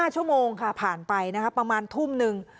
๕ชั่วโมงค่ะผ่านไปนะคะประมาณทุ่มนึง